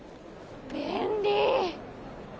便利！